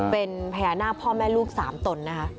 เป็นพญานาคพ่อแม่ลูก๓ตนนะคะ